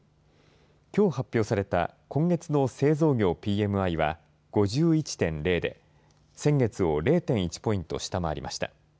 きょう発表された今月の製造業ＰＭＩは５１．０で先月を０．１ポイント下回りました。